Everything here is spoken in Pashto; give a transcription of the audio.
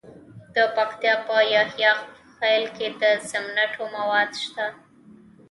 د پکتیکا په یحیی خیل کې د سمنټو مواد شته.